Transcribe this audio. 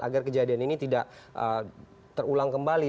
agar kejadian ini tidak terulang kembali